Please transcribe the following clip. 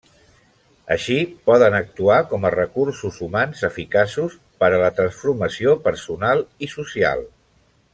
Així, poden actuar com a recursos humans eficaços per a la transformació personal i social.